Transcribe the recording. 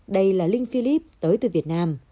đây là linh philip tới từ việt nam